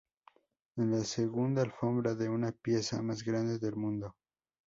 Es la segunda alfombra de una pieza más grande del mundo.